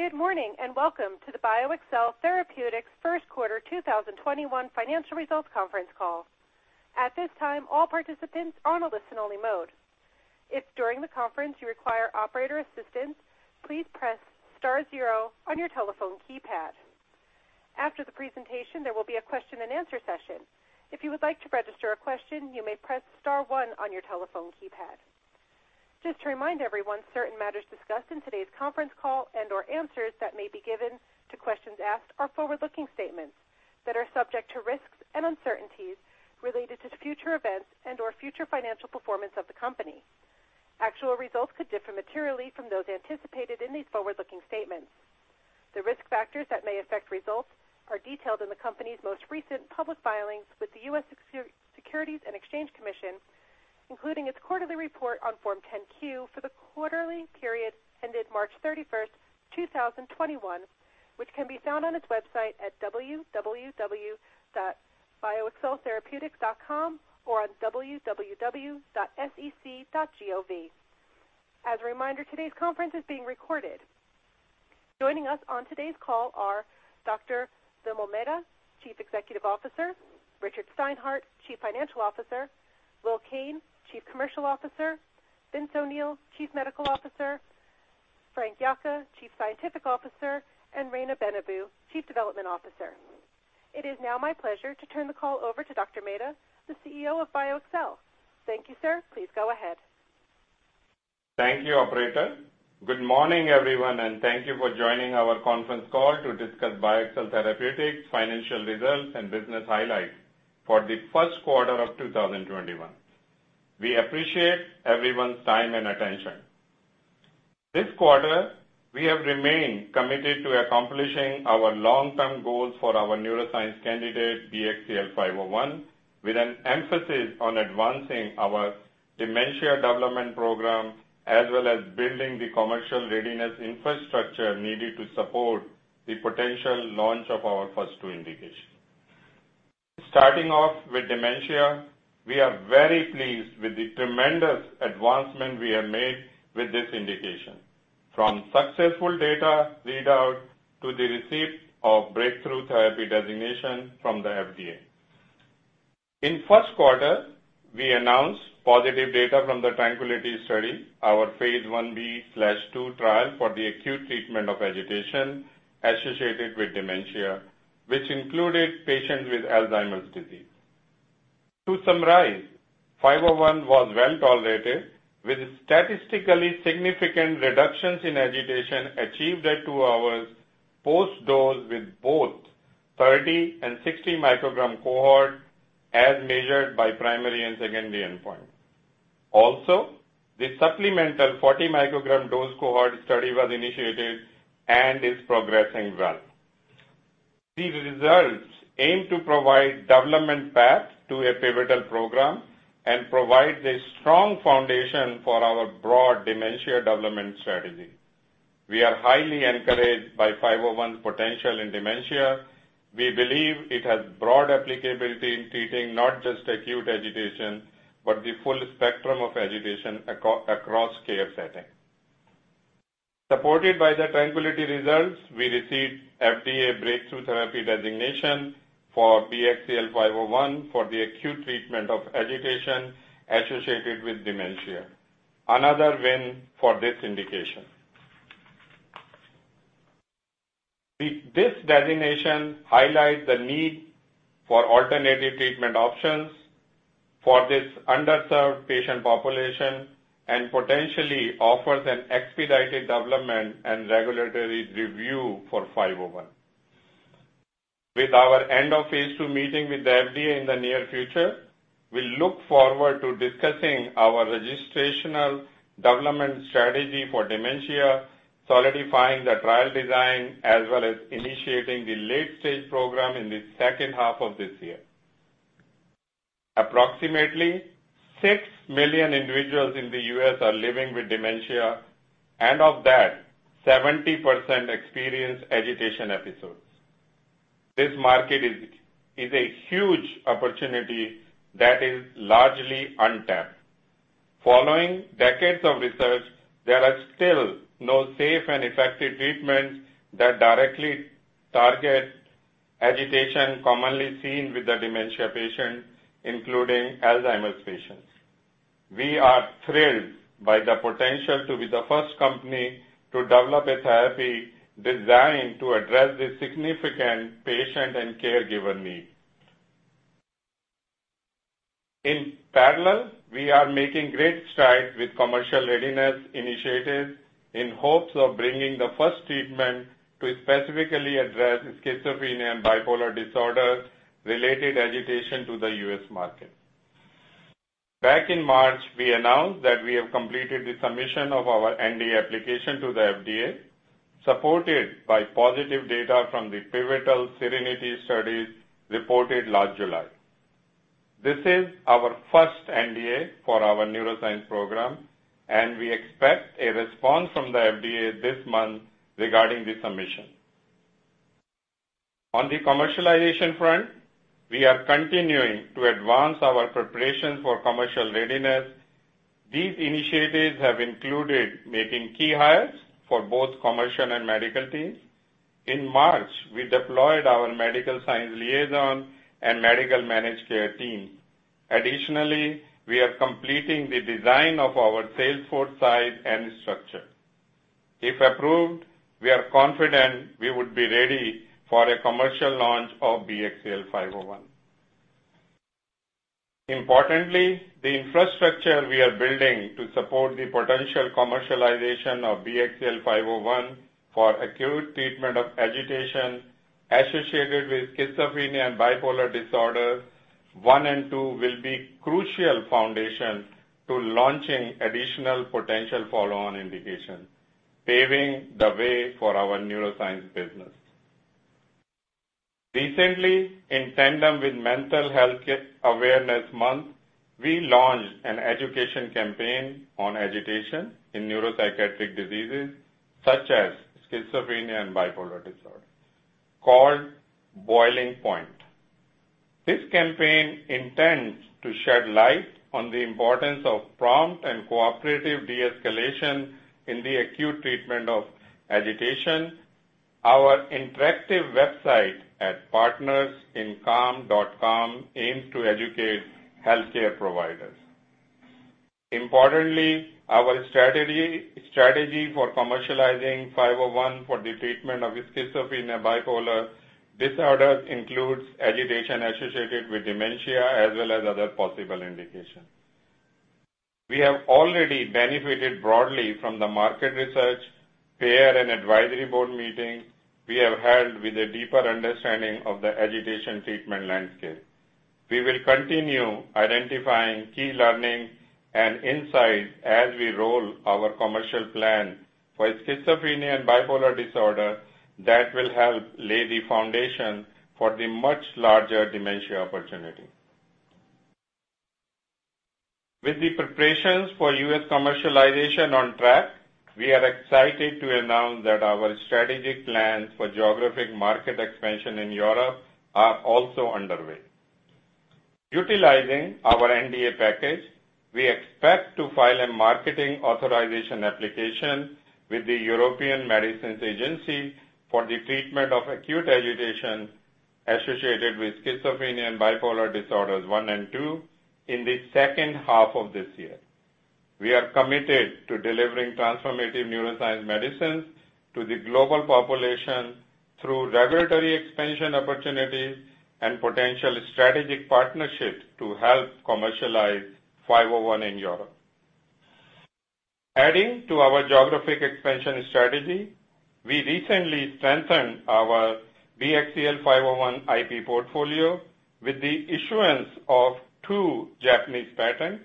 Good morning, and welcome to the BioXcel Therapeutics first quarter 2021 financial results conference call. At this time, all participants are on a listen-only mode. If, during the conference, you require operator assistance, please press star zero on your telephone keypad. After the presentation, there will be a question-and-answer session. If you would like to register a question, you may press star one on your telephone keypad. Just to remind everyone, certain matters discussed in today's conference call and/or answers that may be given to questions asked are forward-looking statements that are subject to risks and uncertainties related to future events and/or future financial performance of the company. Actual results could differ materially from those anticipated in these forward-looking statements. The risk factors that may affect results are detailed in the company's most recent public filings with the U.S. Securities and Exchange Commission, including its quarterly report on Form 10-Q for the quarterly period ended March 31st, 2021, which can be found on its website at www.bioxceltherapeutics.com or on www.sec.gov. As a reminder, today's conference is being recorded. Joining us on today's call are Dr. Vimal Mehta, Chief Executive Officer, Richard Steinhart, Chief Financial Officer, Will Kane, Chief Commercial Officer, Vincent O'Neill, Chief Medical Officer, Frank Yocca, Chief Development Officer, and Reina Benabou, Chief Development Officer. It is now my pleasure to turn the call over to Dr. Mehta, the CEO of BioXcel. Thank you, sir. Please go ahead. Thank you, operator. Good morning, everyone, thank you for joining our conference call to discuss BioXcel Therapeutics financial results and business highlights for the first quarter of 2021. We appreciate everyone's time and attention. This quarter, we have remained committed to accomplishing our long-term goals for our neuroscience candidate, BXCL501, with an emphasis on advancing our dementia development program as well as building the commercial readiness infrastructure needed to support the potential launch of our first two indications. Starting off with dementia, we are very pleased with the tremendous advancement we have made with this indication, from successful data readout to the receipt of breakthrough therapy designation from the FDA. In first quarter, we announced positive data from the TRANQUILITY study, our phase Ib/II trial for the acute treatment of agitation associated with dementia, which included patients with Alzheimer's disease. To summarize, 501 was well-tolerated, with statistically significant reductions in agitation achieved at two hours post-dose with both 30 μg and 60 μg cohort as measured by primary and secondary endpoint. Also, the supplemental 40 μg dose cohort study was initiated and is progressing well. These results aim to provide development paths to a pivotal program and provide a strong foundation for our broad dementia development strategy. We are highly encouraged by 501's potential in dementia. We believe it has broad applicability in treating not just acute agitation, but the full spectrum of agitation across care settings. Supported by the TRANQUILITY results, we received FDA breakthrough therapy designation for BXCL501 for the acute treatment of agitation associated with dementia. Another win for this indication. This designation highlights the need for alternative treatment options for this underserved patient population and potentially offers an expedited development and regulatory review for 501. With our end of phase II meeting with the FDA in the near future, we look forward to discussing our registrational development strategy for dementia, solidifying the trial design, as well as initiating the late-stage program in the second half of this year. Approximately 6 million individuals in the U.S. are living with dementia, and of that, 70% experience agitation episodes. This market is a huge opportunity that is largely untapped. Following decades of research, there are still no safe and effective treatments that directly target agitation commonly seen with the dementia patient, including Alzheimer's patients. We are thrilled by the potential to be the first company to develop a therapy designed to address the significant patient and caregiver need. In parallel, we are making great strides with commercial readiness initiatives in hopes of bringing the first treatment to specifically address schizophrenia and bipolar disorders related agitation to the U.S. market. Back in March, we announced that we have completed the submission of our NDA application to the FDA, supported by positive data from the pivotal SERENITY studies reported last July. This is our first NDA for our neuroscience program, and we expect a response from the FDA this month regarding the submission. On the commercialization front, we are continuing to advance our preparations for commercial readiness. These initiatives have included making key hires for both commercial and medical teams. In March, we deployed our medical science liaison and medical managed care team. Additionally, we are completing the design of our sales force site and structure. If approved, we are confident we would be ready for a commercial launch of BXCL501. Importantly, the infrastructure we are building to support the potential commercialization of BXCL501 for acute treatment of agitation associated with schizophrenia and bipolar disorders one and two will be crucial foundation to launching additional potential follow-on indications, paving the way for our neuroscience business. Recently, in tandem with Mental Health Awareness Month, we launched an education campaign on agitation in neuropsychiatric diseases such as schizophrenia and bipolar disorders, called Boiling Point. This campaign intends to shed light on the importance of prompt and cooperative de-escalation in the acute treatment of agitation. Our interactive website at partnersincalm.com aims to educate healthcare providers. Importantly, our strategy for commercializing 501 for the treatment of schizophrenia and bipolar disorders includes agitation associated with dementia, as well as other possible indications. We have already benefited broadly from the market research, payer, and advisory board meetings we have held with a deeper understanding of the agitation treatment landscape. We will continue identifying key learnings and insights as we roll our commercial plan for schizophrenia and bipolar disorder that will help lay the foundation for the much larger dementia opportunity. With the preparations for U.S. commercialization on track, we are excited to announce that our strategic plans for geographic market expansion in Europe are also underway. Utilizing our NDA package, we expect to file a marketing authorization application with the European Medicines Agency for the treatment of acute agitation associated with schizophrenia and bipolar disorders one and two in the second half of this year. We are committed to delivering transformative neuroscience medicines to the global population through regulatory expansion opportunities and potential strategic partnerships to help commercialize 501 in Europe. Adding to our geographic expansion strategy, we recently strengthened our BXCL501 IP portfolio with the issuance of two Japanese patents.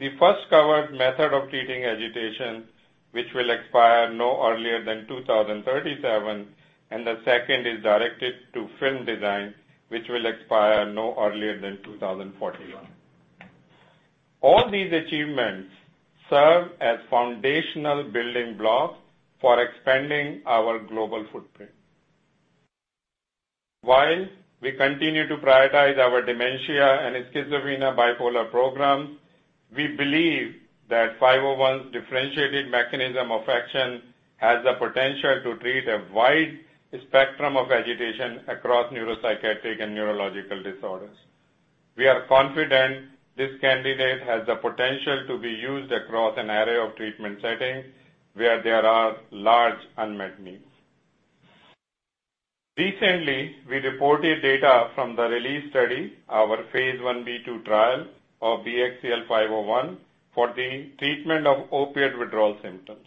The first covers method of treating agitation, which will expire no earlier than 2037, the second is directed to film design, which will expire no earlier than 2041. All these achievements serve as foundational building blocks for expanding our global footprint. While we continue to prioritize our dementia and schizophrenia bipolar programs, we believe that 501's differentiated mechanism of action has the potential to treat a wide spectrum of agitation across neuropsychiatric and neurological disorders. We are confident this candidate has the potential to be used across an array of treatment settings where there are large unmet needs. Recently, we reported data from the RELEASE study, our phase Ib/II trial of BXCL501 for the treatment of opioid withdrawal symptoms.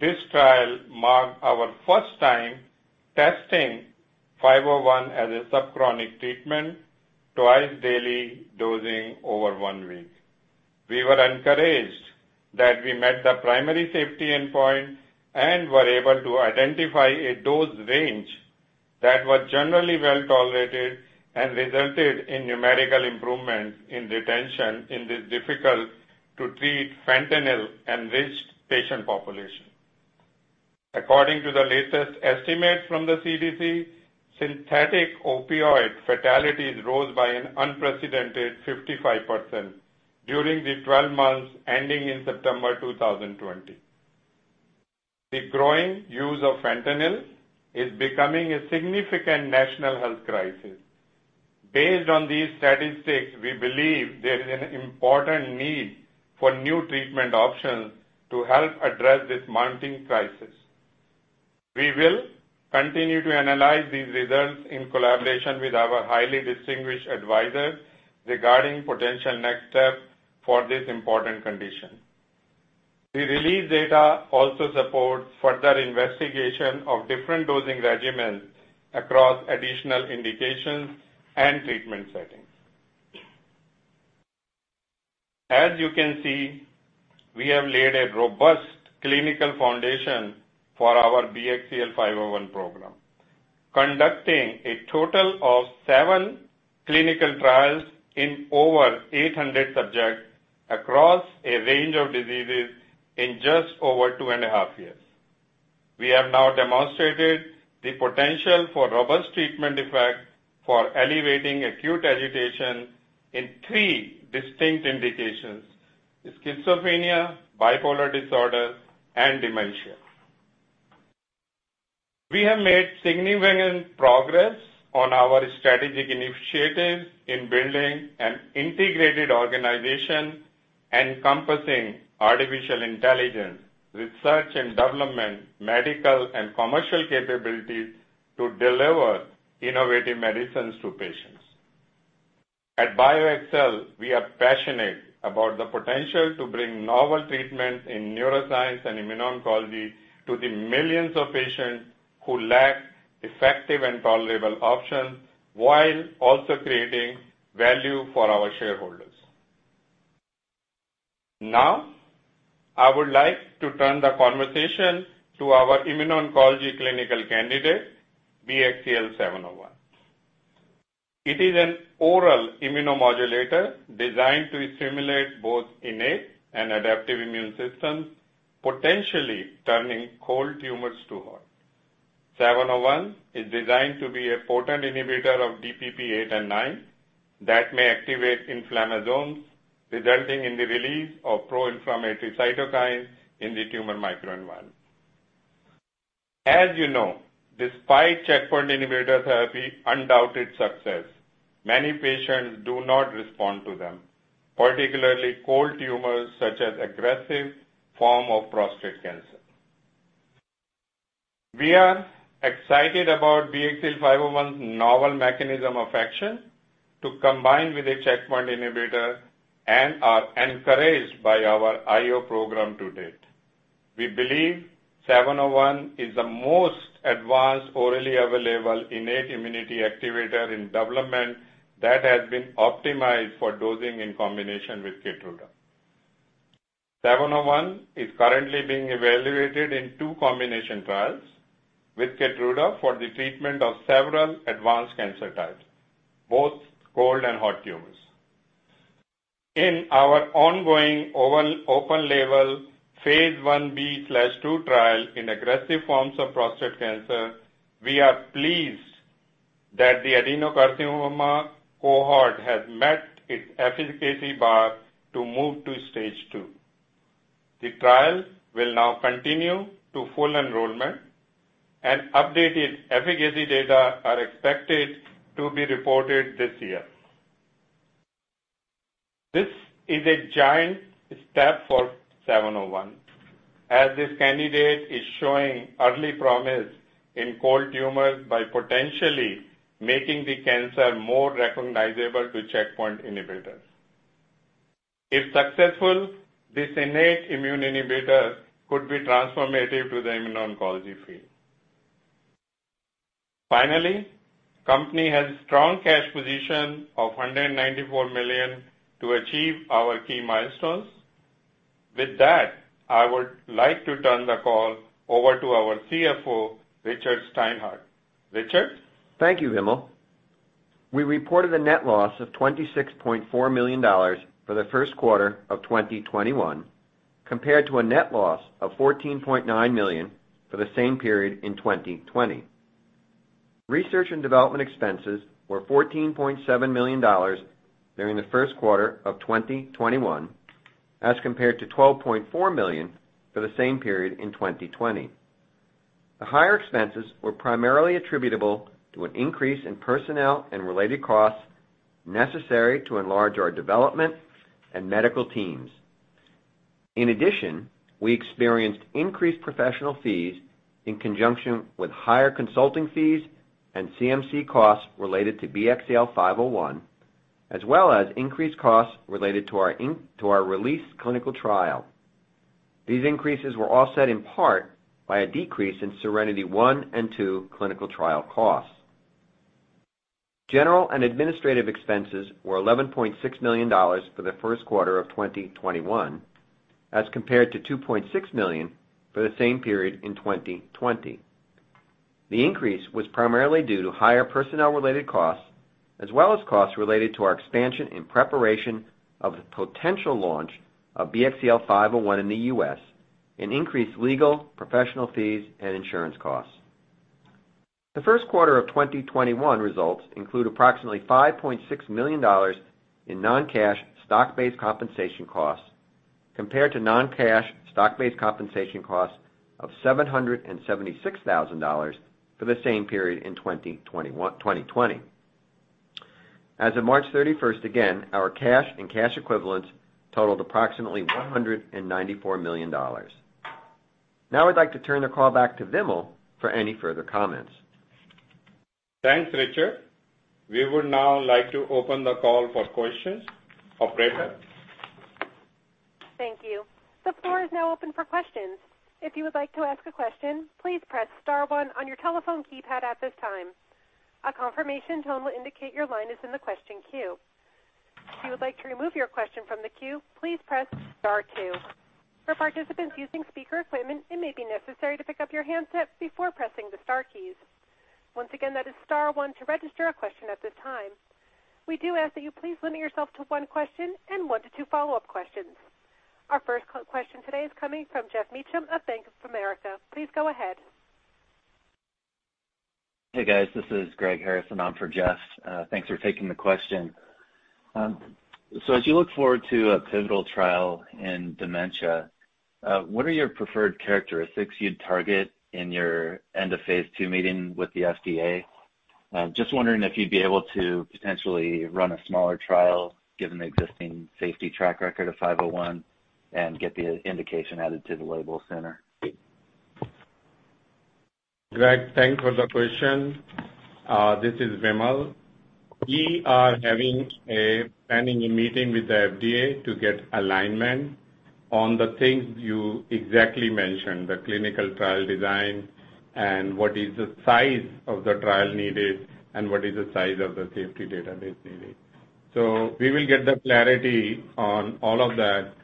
This trial marked our first time testing 501 as a subchronic treatment, twice-daily dosing over one week. We were encouraged that we met the primary safety endpoint and were able to identify a dose range that was generally well-tolerated and resulted in numerical improvements in retention in this difficult-to-treat fentanyl-enriched patient population. According to the latest estimate from the CDC, synthetic opioid fatalities rose by an unprecedented 55% during the 12 months ending in September 2020. The growing use of fentanyl is becoming a significant national health crisis. Based on these statistics, we believe there is an important need for new treatment options to help address this mounting crisis. We will continue to analyze these results in collaboration with our highly distinguished advisors regarding potential next steps for this important condition. The RELEASE data also supports further investigation of different dosing regimens across additional indications and treatment settings. As you can see, we have laid a robust clinical foundation for our BXCL501 program, conducting a total of seven clinical trials in over 800 subjects across a range of diseases in just over two and a half years. We have now demonstrated the potential for robust treatment effect for alleviating acute agitation in three distinct indications: schizophrenia, bipolar disorder, and dementia. We have made significant progress on our strategic initiatives in building an integrated organization encompassing artificial intelligence, research and development, medical and commercial capabilities to deliver innovative medicines to patients. At BioXcel, we are passionate about the potential to bring novel treatments in neuroscience and immuno-oncology to the millions of patients who lack effective and tolerable options, while also creating value for our shareholders. Now, I would like to turn the conversation to our immuno-oncology clinical candidate, BXCL701. It is an oral immunomodulator designed to stimulate both innate and adaptive immune systems, potentially turning cold tumors to hot. 701 is designed to be a potent inhibitor of DPP-8 and DPP-9 that may activate inflammasomes, resulting in the release of pro-inflammatory cytokines in the tumor microenvironment. As you know, despite checkpoint inhibitor therapy undoubted success, many patients do not respond to them, particularly cold tumors, such as aggressive form of prostate cancer. We are excited about BXCL501's novel mechanism of action to combine with a checkpoint inhibitor and are encouraged by our IO program to date. We believe BXCL701 is the most advanced orally available innate immunity activator in development that has been optimized for dosing in combination with KEYTRUDA. 701 is currently being evaluated in two combination trials with KEYTRUDA for the treatment of several advanced cancer types, both cold and hot tumors. In our ongoing open-label phase Ib/II trial in aggressive forms of prostate cancer, we are pleased that the adenocarcinoma cohort has met its efficacy bar to move to stage two. The trial will now continue to full enrollment and updated efficacy data are expected to be reported this year. This is a giant step for 701, as this candidate is showing early promise in cold tumors by potentially making the cancer more recognizable to checkpoint inhibitors. If successful, this innate immune inhibitor could be transformative to the immuno-oncology field. Finally, the company has strong cash position of $194 million to achieve our key milestones. With that, I would like to turn the call over to our CFO, Richard Steinhart. Richard? Thank you, Vimal. We reported a net loss of $26.4 million for the first quarter of 2021, compared to a net loss of $14.9 million for the same period in 2020. Research and development expenses were $14.7 million during the first quarter of 2021, as compared to $12.4 million for the same period in 2020. The higher expenses were primarily attributable to an increase in personnel and related costs necessary to enlarge our development and medical teams. In addition, we experienced increased professional fees in conjunction with higher consulting fees and CMC costs related to BXCL501, as well as increased costs related to our RELEASE clinical trial. These increases were offset in part by a decrease in SERENITY I and II clinical trial costs. General and administrative expenses were $11.6 million for the first quarter of 2021, as compared to $2.6 million for the same period in 2020. The increase was primarily due to higher personnel-related costs, as well as costs related to our expansion in preparation of the potential launch of BXCL501 in the U.S., and increased legal, professional fees, and insurance costs. The first quarter of 2021 results include approximately $5.6 million in non-cash stock-based compensation costs, compared to non-cash stock-based compensation costs of $776,000 for the same period in 2020. As of March 31st, again, our cash and cash equivalents totaled approximately $194 million. I'd like to turn the call back to Vimal for any further comments. Thanks, Richard. We would now like to open the call for questions. Operator? Thank you. The floor is now open for questions. If you would like to ask a question, please press star one on your telephone keypad at this time. A confirmation tone will indicate your line is in the question queue. If you would like to remove your question from the queue, please press star two. For participants using speaker equipment, it may be necessary to pick up your handset before pressing the star keys. Once again, that is star one to register a question at this time. We do ask that you please limit yourself to one question and one to two follow-up questions. Our first question today is coming from Geoff Meacham of Bank of America. Please go ahead. Hey, guys. This is Greg Harrison on for Geoff. Thanks for taking the question. As you look forward to a pivotal trial in dementia, what are your preferred characteristics you'd target in your end of phase II meeting with the FDA? Just wondering if you'd be able to potentially run a smaller trial given the existing safety track record of 501 and get the indication added to the label center. Greg, thanks for the question. This is Vimal. We are having a planning meeting with the FDA to get alignment on the things you exactly mentioned, the clinical trial design and what is the size of the trial needed and what is the size of the safety database needed. We will get the clarity on all of that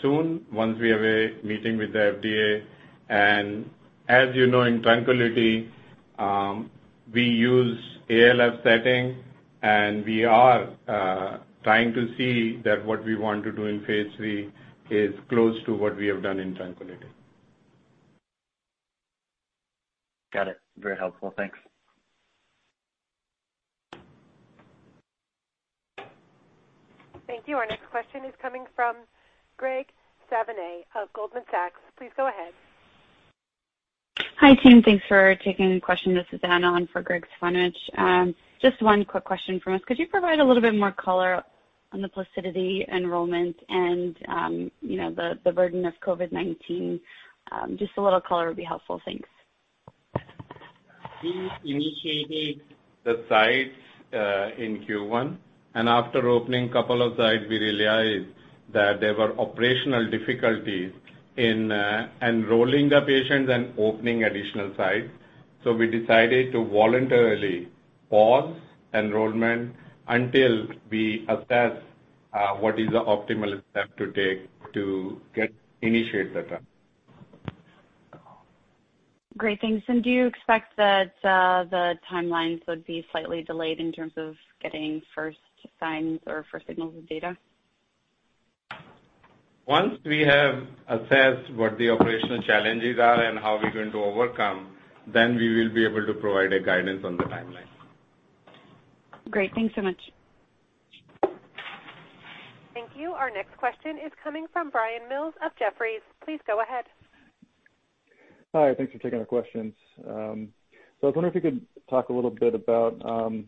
soon once we have a meeting with the FDA. As you know, in TRANQUILITY, we use ALF setting, and we are trying to see that what we want to do in phase III is close to what we have done in TRANQUILITY. Got it. Very helpful. Thanks. Thank you. Our next question is coming from Graig Suvannavejh of Goldman Sachs. Please go ahead. Hi, team. Thanks for taking the question. This is Anna on for Graig Suvannavejh. Just one quick question from us. Could you provide a little bit more color on the Placidity enrollment and the burden of COVID-19? Just a little color would be helpful. Thanks. We initiated the sites in Q1, and after opening couple of sites, we realized that there were operational difficulties in enrolling the patients and opening additional sites. We decided to voluntarily pause enrollment until we assess what is the optimal step to take to initiate the trial. Great. Thanks. Do you expect that the timelines would be slightly delayed in terms of getting first signs or first signals of data? Once we have assessed what the operational challenges are and how we're going to overcome, then we will be able to provide a guidance on the timeline. Great. Thanks so much. Thank you. Our next question is coming from Brian Mills of Jefferies. Please go ahead. Hi, thanks for taking our questions. I was wondering if you could talk a little bit about the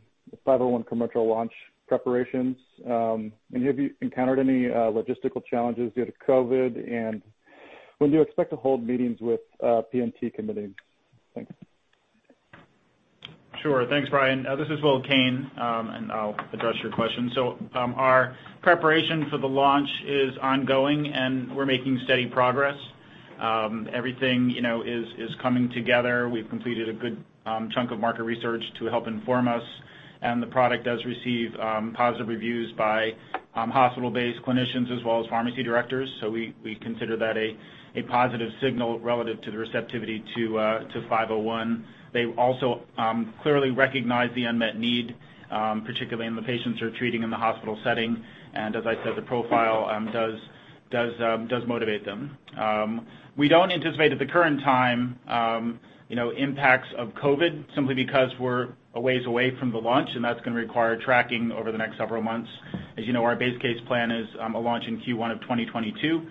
501 commercial launch preparations. Have you encountered any logistical challenges due to COVID, and when do you expect to hold meetings with P&T committee? Thanks. Sure. Thanks, Brian. This is Will Kane. I'll address your question. Our preparation for the launch is ongoing, and we're making steady progress. Everything is coming together. We've completed a good chunk of market research to help inform us. The product does receive positive reviews by hospital-based clinicians as well as pharmacy directors. We consider that a positive signal relative to the receptivity to 501. They also clearly recognize the unmet need, particularly in the patients who are treating in the hospital setting. As I said, the profile does motivate them. We don't anticipate at the current time impacts of COVID simply because we're a ways away from the launch. That's going to require tracking over the next several months. As you know, our base case plan is a launch in Q1 of 2022.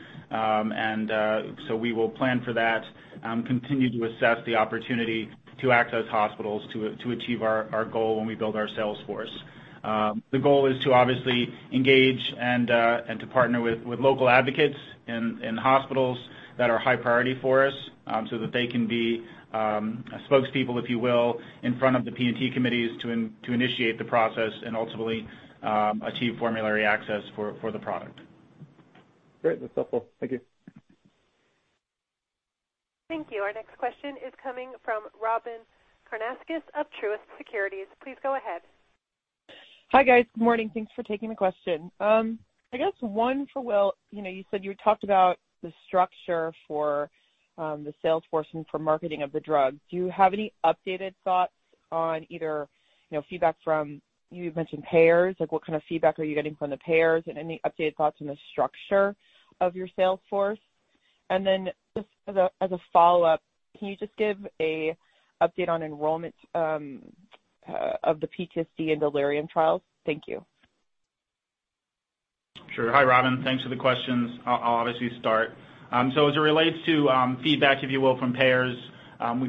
We will plan for that, continue to assess the opportunity to access hospitals to achieve our goal when we build our sales force. The goal is to obviously engage and to partner with local advocates in hospitals that are high priority for us, so that they can be spokespeople, if you will, in front of the P&T committees to initiate the process and ultimately achieve formulary access for the product. Great. That's helpful. Thank you. Thank you. Our next question is coming from Robyn Karnauskas of Truist Securities. Please go ahead. Hi, guys. Good morning. Thanks for taking the question. I guess one for Will. You said you talked about the structure for the sales force and for marketing of the drug. Do you have any updated thoughts on either feedback from, you mentioned payers. What kind of feedback are you getting from the payers, and any updated thoughts on the structure of your sales force? Then just as a follow-up, can you just give an update on enrollment of the PTSD and delirium trials? Thank you. Sure. Hi, Robyn. Thanks for the questions. I'll obviously start. As it relates to feedback, if you will, from payers,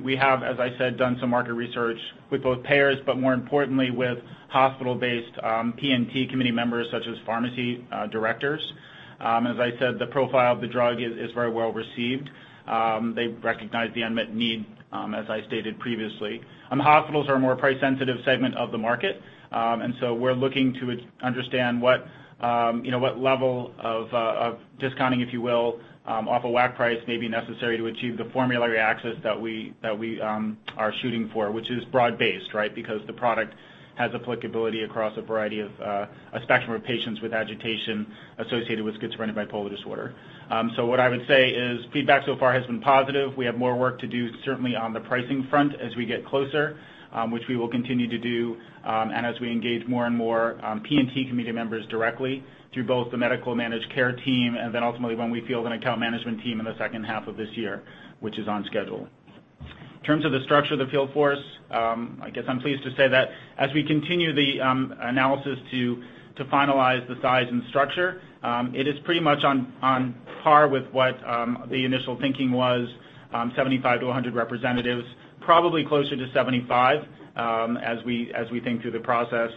we have, as I said, done some market research with both payers, but more importantly with hospital-based P&T committee members such as pharmacy directors. As I said, the profile of the drug is very well received. They recognize the unmet need, as I stated previously. Hospitals are a more price-sensitive segment of the market. We're looking to understand what level of discounting, if you will, off a WAC price may be necessary to achieve the formulary access that we are shooting for, which is broad-based, because the product has applicability across a spectrum of patients with agitation associated with schizophrenia and bipolar disorder. What I would say is feedback so far has been positive. We have more work to do, certainly on the pricing front, as we get closer, which we will continue to do, and as we engage more and more P&T committee members directly through both the medical managed care team and then ultimately when we field an account management team in the second half of this year, which is on schedule. In terms of the structure of the field force, I guess I'm pleased to say that as we continue the analysis to finalize the size and structure, it is pretty much on par with what the initial thinking was, 75-100 representatives. Probably closer to 75, as we think through the process.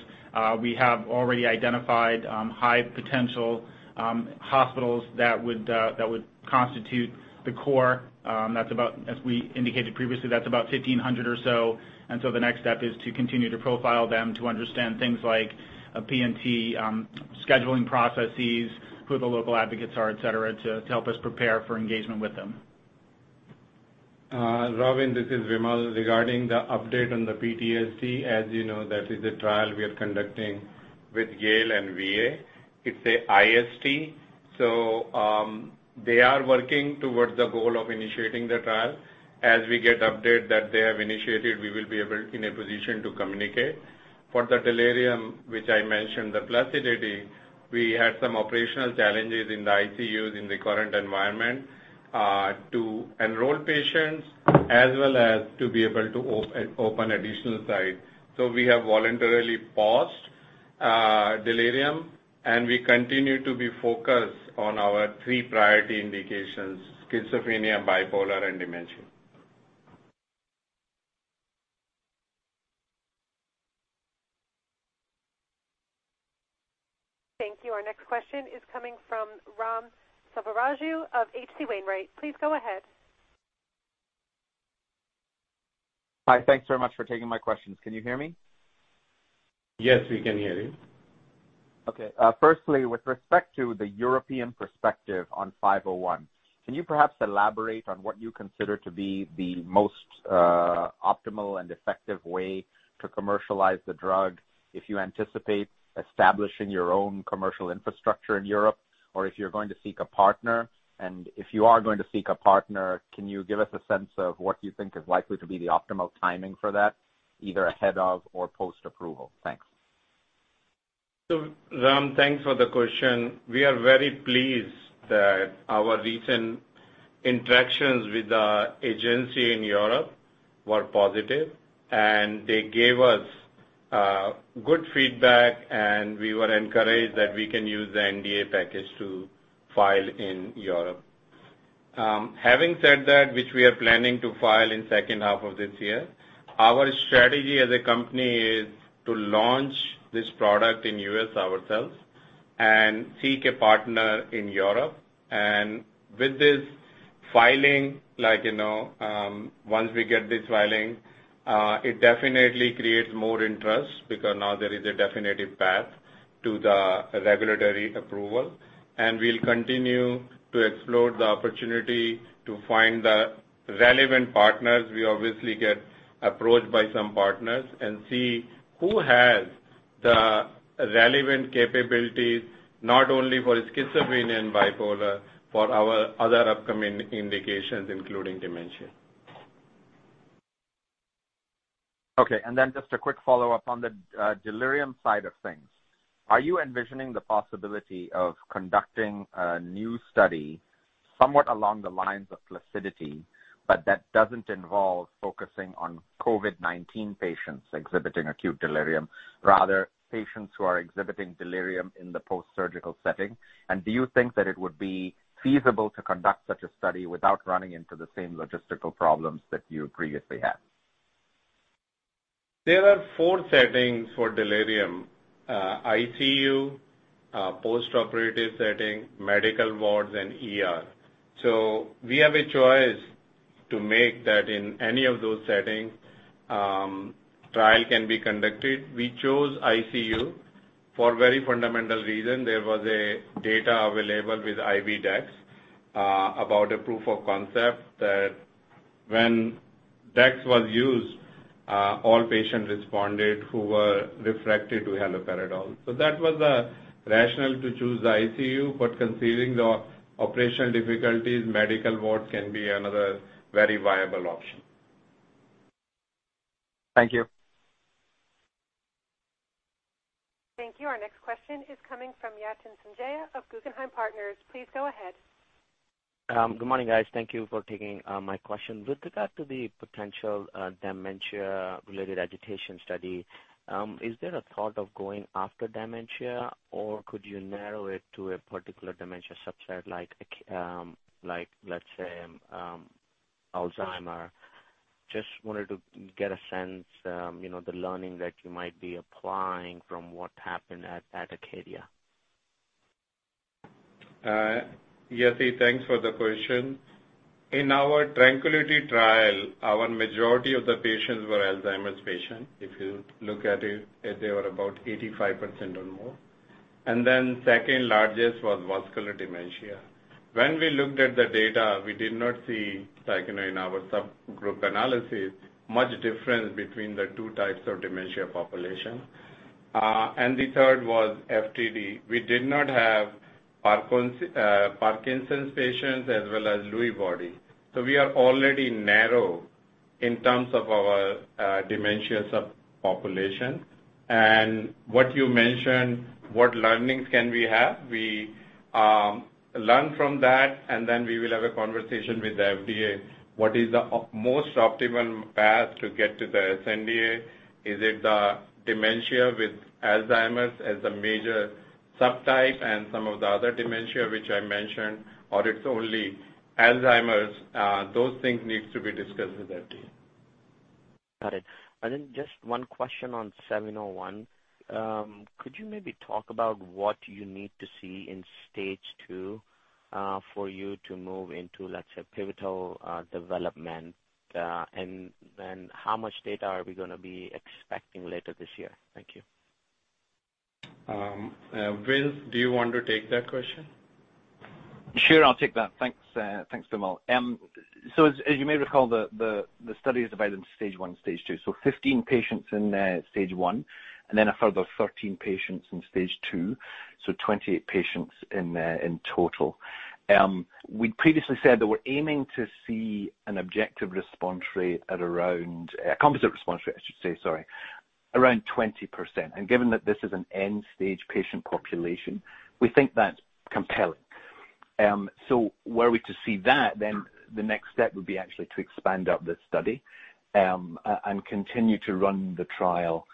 We have already identified high potential hospitals that would constitute the core. As we indicated previously, that's about 1,500 or so. The next step is to continue to profile them to understand things like P&T scheduling processes, who the local advocates are, et cetera, to help us prepare for engagement with them. Robyn, this is Vimal. Regarding the update on the PTSD, as you know, that is a trial we are conducting with Yale and VA. It's an IST. They are working towards the goal of initiating the trial. As we get update that they have initiated, we will be in a position to communicate. For the delirium, which I mentioned, the PLACIDITY, we had some operational challenges in the ICUs in the current environment to enroll patients as well as to be able to open additional sites. We have voluntarily paused delirium, and we continue to be focused on our three priority indications, schizophrenia, bipolar, and dementia. Thank you. Our next question is coming from Ram Selvaraju of H.C. Wainwright. Please go ahead. Hi, thanks very much for taking my questions. Can you hear me? Yes, we can hear you. Firstly, with respect to the European perspective on 501, can you perhaps elaborate on what you consider to be the most optimal and effective way to commercialize the drug if you anticipate establishing your own commercial infrastructure in Europe, or if you're going to seek a partner? If you are going to seek a partner, can you give us a sense of what you think is likely to be the optimal timing for that, either ahead of or post-approval? Thanks. Ram, thanks for the question. We are very pleased that our recent interactions with the agency in Europe were positive, and they gave us good feedback, and we were encouraged that we can use the NDA package to file in Europe. Having said that, which we are planning to file in second half of this year, our strategy as a company is to launch this product in U.S. ourselves and seek a partner in Europe. With this filing, once we get this filing, it definitely creates more interest because now there is a definitive path to the regulatory approval. We'll continue to explore the opportunity to find the relevant partners. We obviously get approached by some partners and see who has the relevant capabilities, not only for schizophrenia and bipolar, for our other upcoming indications, including dementia. Okay, just a quick follow-up on the delirium side of things. Are you envisioning the possibility of conducting a new study somewhat along the lines of PLACIDITY, but that doesn't involve focusing on COVID-19 patients exhibiting acute delirium, rather patients who are exhibiting delirium in the post-surgical setting? Do you think that it would be feasible to conduct such a study without running into the same logistical problems that you previously had? There are four settings for delirium. ICU, post-operative setting, medical wards, and ER. We have a choice to make that in any of those settings, trial can be conducted. We chose ICU for very fundamental reason. There was a data available with IV dex about a proof of concept that when dex was used, all patient responded who were refractory to haloperidol. That was the rationale to choose the ICU. Considering the operational difficulties, medical wards can be another very viable option. Thank you. Thank you. Our next question is coming from Yatin Suneja of Guggenheim Partners. Please go ahead. Good morning, guys. Thank you for taking my question. With regard to the potential dementia-related agitation study, is there a thought of going after dementia, or could you narrow it to a particular dementia subset like, let's say, Alzheimer's? Just wanted to get a sense, the learning that you might be applying from what happened at Acadia. Yes, thanks for the question. In our TRANQUILITY trial, our majority of the patients were Alzheimer's patients. If you look at it, they were about 85% or more. Then second largest was vascular dementia. When we looked at the data, we did not see, like in our subgroup analysis, much difference between the two types of dementia population. The third was FTD. We did not have Parkinson's patients as well as Lewy Body. We are already narrow in terms of our dementia subpopulation. What you mentioned, what learnings can we have? We learn from that, then we will have a conversation with the FDA. What is the most optimal path to get to the sNDA? Is it the dementia with Alzheimer's as the major subtype and some of the other dementia, which I mentioned, or it's only Alzheimer's? Those things need to be discussed with FDA. Got it. Just one question on 701. Could you maybe talk about what you need to see in stage two for you to move into, let's say, pivotal development? How much data are we going to be expecting later this year? Thank you. Vin, do you want to take that question? Sure, I'll take that. Thanks, Vimal. As you may recall, the study is divided into stage one and stage two. 15 patients in stage one, and then a further 13 patients in stage two, 28 patients in total. We'd previously said that we're aiming to see a composite response rate, around 20%. Given that this is an end-stage patient population, we think that's compelling. Were we to see that, then the next step would be actually to expand out this study, and continue to run the trial,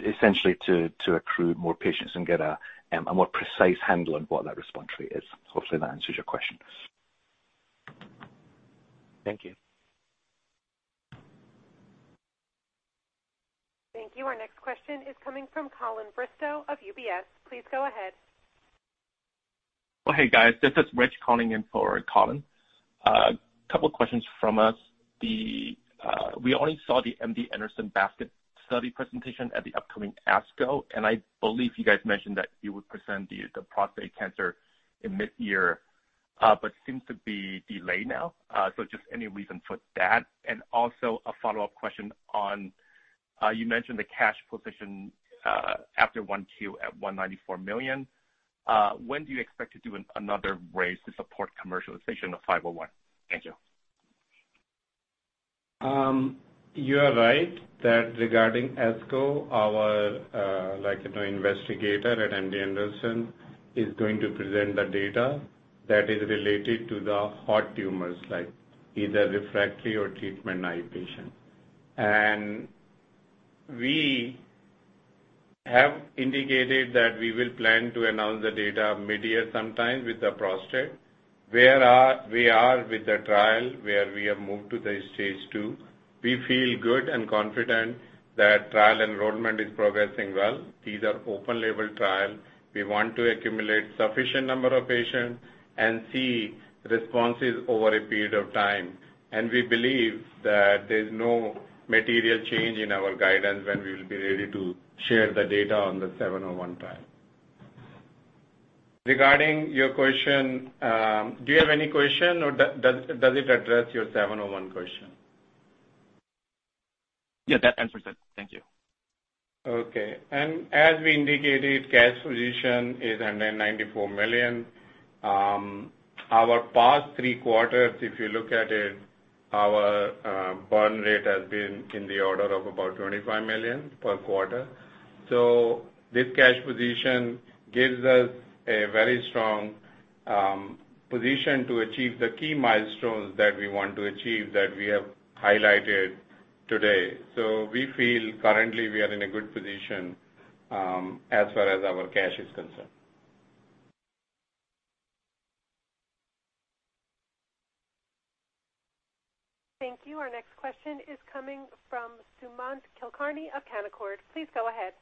essentially to accrue more patients and get a more precise handle on what that response rate is. Hopefully that answers your question. Thank you. Thank you. Our next question is coming from Colin Bristow of UBS. Please go ahead. Well, hey, guys. This is Rich calling in for Colin. A couple of questions from us. We only saw the MD Anderson Cancer Center basket study presentation at the upcoming ASCO, and I believe you guys mentioned that you would present the prostate cancer in mid-year. Seems to be delayed now. Just any reason for that? Also a follow-up question on, you mentioned the cash position after Q1 at $194 million. When do you expect to do another raise to support commercialization of 501? Thank you. You are right that regarding ASCO, our investigator at MD Anderson is going to present the data that is related to the hot tumors, like either refractory or treatment naive patient. We have indicated that we will plan to announce the data mid-year sometime with the prostate. Where are we are with the trial, where we have moved to the stage two. We feel good and confident that trial enrollment is progressing well. These are open label trial. We want to accumulate sufficient number of patients and see responses over a period of time. We believe that there's no material change in our guidance when we will be ready to share the data on the 701 trial. Regarding your question, do you have any question, or does it address your 701 question? Yeah, that answers it. Thank you. Okay. As we indicated, cash position is under $194 million. Our past three quarters, if you look at it, our burn rate has been in the order of about $25 million per quarter. This cash position gives us a very strong position to achieve the key milestones that we want to achieve that we have highlighted today. We feel currently we are in a good position, as far as our cash is concerned. Thank you. Our next question is coming from Sumant Kulkarni of Canaccord. Please go ahead.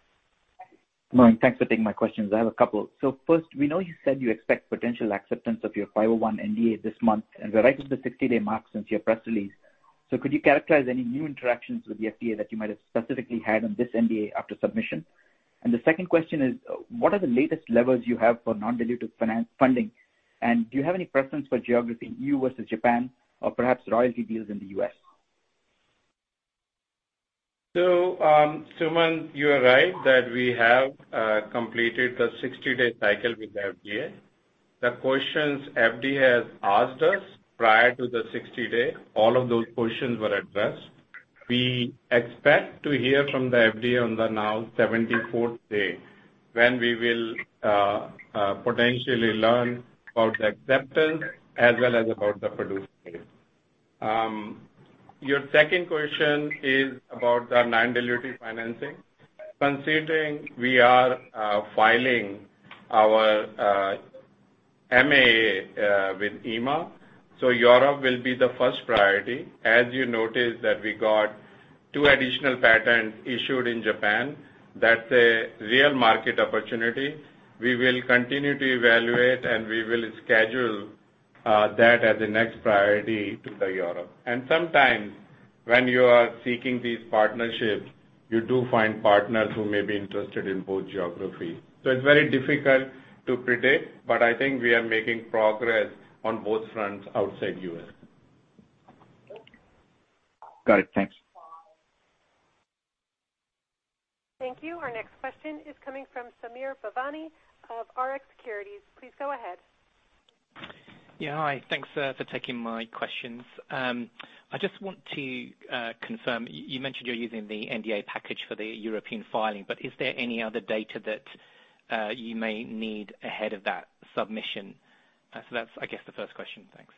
Morning. Thanks for taking my questions. I have a couple. First, we know you said you expect potential acceptance of your 501 NDA this month, and we're right at the 60-day mark since your press release. Could you characterize any new interactions with the FDA that you might have specifically had on this NDA after submission? The second question is, what are the latest levers you have for non-dilutive funding? Do you have any preference for geography, U.S. versus Japan? Or perhaps royalty deals in the U.S.? Sumant, you are right that we have completed the 60-day cycle with the FDA. The questions FDA has asked us prior to the 60-day, all of those questions were addressed. We expect to hear from the FDA on the now 74th day, when we will potentially learn about the acceptance as well as about the PDUFA date. Your second question is about the non-dilutive financing. Considering we are filing our MAA with EMA, so Europe will be the first priority. As you notice that we got two additional patents issued in Japan, that's a real market opportunity. We will continue to evaluate, and we will schedule that as the next priority to the Europe. Sometimes when you are seeking these partnerships, you do find partners who may be interested in both geographies. It's very difficult to predict, but I think we are making progress on both fronts outside U.S. Got it. Thanks. Thank you. Our next question is coming from Samir Devani of Rx Securities. Please go ahead. Yeah. Hi. Thanks for taking my questions. I just want to confirm, you mentioned you're using the NDA package for the European filing, but is there any other data that you may need ahead of that submission? That's, I guess, the first question. Thanks.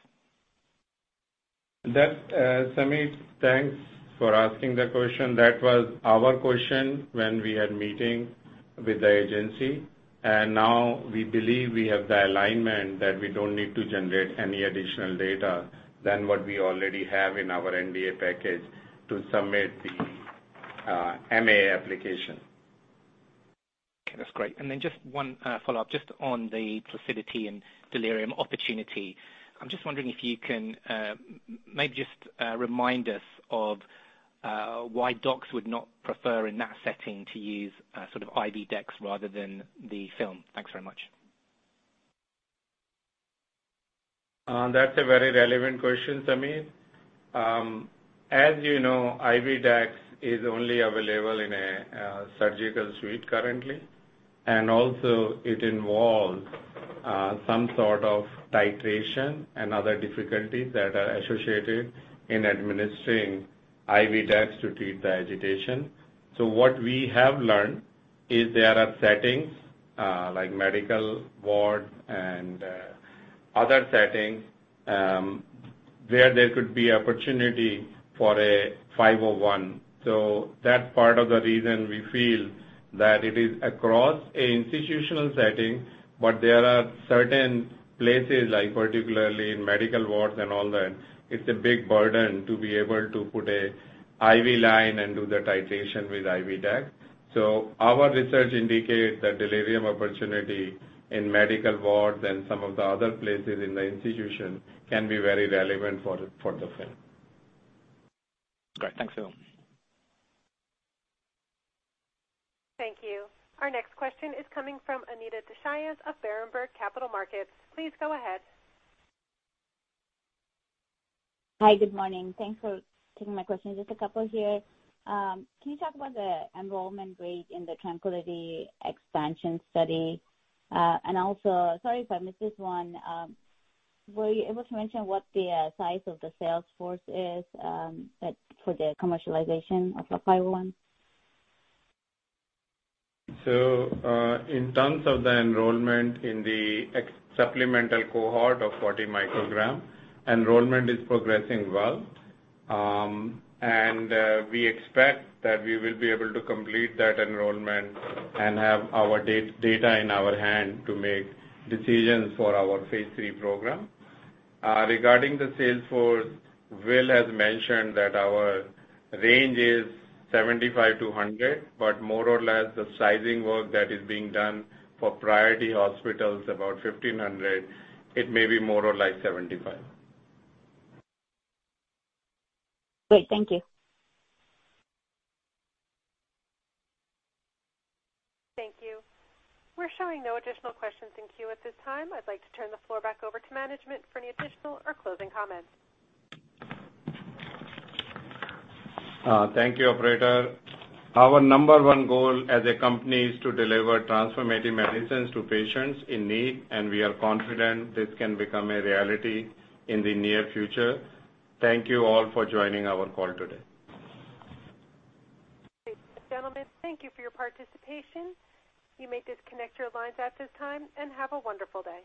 Samir, thanks for asking the question. That was our question when we had meeting with the agency, and now we believe we have the alignment that we don't need to generate any additional data than what we already have in our NDA package to submit the MAA application. Okay, that's great. Just one follow-up, just on the PLACIDITY and delirium opportunity. I'm just wondering if you can maybe just remind us of why docs would not prefer in that setting to use sort of IV dex rather than the film. Thanks very much. That's a very relevant question, Samir. As you know, IV dex is only available in a surgical suite currently, and also it involves some sort of titration and other difficulties that are associated in administering IV dex to treat the agitation. What we have learned is there are settings, like medical ward and other settings, where there could be opportunity for a 501. That's part of the reason we feel that it is across an institutional setting. There are certain places, like particularly in medical wards and all that, it's a big burden to be able to put a IV line and do the titration with IV dex. Our research indicates that delirium opportunity in medical wards and some of the other places in the institution can be very relevant for the film. Great. Thanks. Thank you. Our next question is coming from Anita Dushyanth of Berenberg Capital Markets. Please go ahead. Hi, good morning. Thanks for taking my question. Just a couple here. Can you talk about the enrollment rate in the TRANQUILITY expansion study? Also, sorry if I missed this one, were you able to mention what the size of the sales force is for the commercialization of the 501? In terms of the enrollment in the supplemental cohort of 40 µg, enrollment is progressing well. We expect that we will be able to complete that enrollment and have our data in our hand to make decisions for our phase III program. Regarding the sales force, Will has mentioned that our range is 75-100, but more or less the sizing work that is being done for priority hospitals about 1,500, it may be more or less 75. Great. Thank you. Thank you. We're showing no additional questions in queue at this time. I'd like to turn the floor back over to management for any additional or closing comments. Thank you, operator. Our number one goal as a company is to deliver transformative medicines to patients in need, and we are confident this can become a reality in the near future. Thank you all for joining our call today. Gentlemen, thank you for your participation. You may disconnect your lines at this time. Have a wonderful day.